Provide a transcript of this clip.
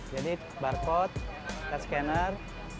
jadi barcode kita scanner